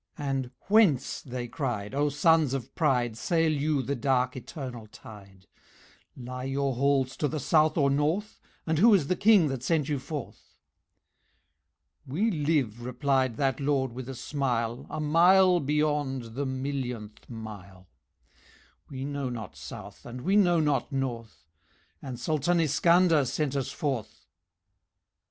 And "Whence," they cried, "O Sons of Pride, Sail you the dark eternal tide? Lie your halls to the South or North, And who is the King that sent you forth?" "We live," replied that Lord with a smile, "A mile beyond the millionth mile. We know not South and we know not North, And SULTAN ISKANDER sent us forth."